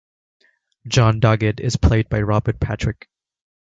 John Doggett is played by Robert Patrick.